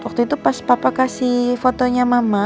waktu itu pas papa kasih fotonya mama